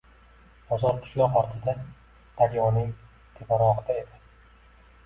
Mozor qishloq ortida, daryoning teparogʻida edi.